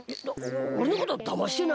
おれのことだましてない？